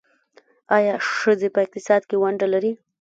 آیا ښځې په اقتصاد کې ونډه لري؟